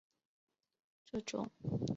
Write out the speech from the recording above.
这种规则被称为酱油同盟。